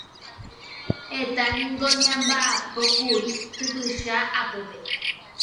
Heta niko ñambaʼapókuri typycha apópe.